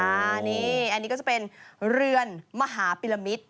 อันนี้ก็จะเป็นเรือนมหาปีรามิตร